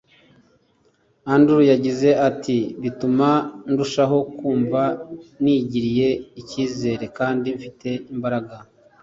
Andrew yagize ati “Bituma ndushaho kumva nigiriye ikizere kandi mfite imbaraga